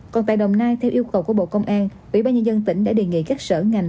còn tại đồng nai theo yêu cầu của bộ công an ủy ban nhân dân tỉnh đã đề nghị các sở ngành